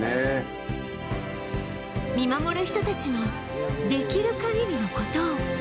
見守る人たちもできる限りの事を